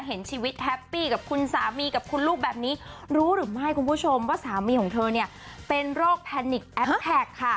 เห็นชีวิตแฮปปี้กับคุณสามีกับคุณลูกแบบนี้รู้หรือไม่คุณผู้ชมว่าสามีของเธอเนี่ยเป็นโรคแพนิกแอปแท็กค่ะ